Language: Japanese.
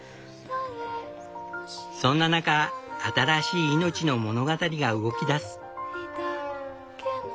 そんな中新しい命の物語が動きだす。